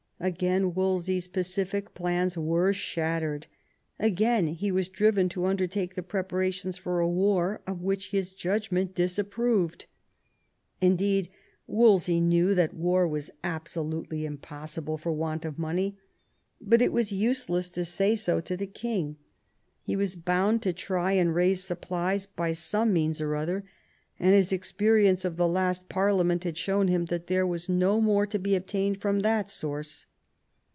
Again Wolsey's pacific plans were shattered ; again he was driven to undertake the preparations for a war of which his judgment disapproved. Indeed Wolsey knew that war was absolutely impos sible for want of money ; but it was useless to say so to the king. He was boimd to try and raise supplies by some means or other, and his experience of the last Par liament had shown him that there was no more to be obtained from that source.